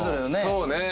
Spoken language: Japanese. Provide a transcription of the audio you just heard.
そうね。